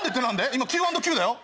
今Ｑ＆Ｑだよ。